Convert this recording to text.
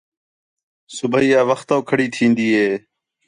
صُبیح آ وختوں کھڑی تھین٘دی ہی